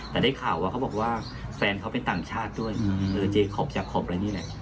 แต่ได้ข่าวว่าเขาบอกว่าแฟนเขาเป็นต่างชาติด้วยเออเจ๊ขบจากขบอะไรนี่แหละ